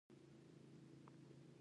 يو څه پيسې په پور غواړم